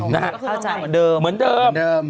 เหมือนเดิม